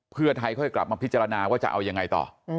เพื่อไทยค่อยกลับมาพิจารณาว่าจะเอายังไงต่อ